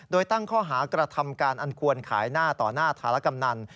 โดยตั้งข้อหากระทำการอันควรขายหน้าต่อหน้าธารกำนัน